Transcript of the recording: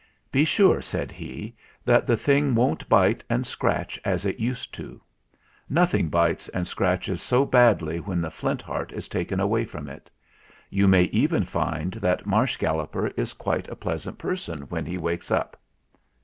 "Be sure," said he, "that the thing won't bite and scratch as it used to. Nothing bites and scratches so badly when the Flint Heart is taken away from it. You may even find that Marsh Galloper is quite a pleasant person when he wakes up."